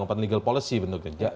open legal policy bentuknya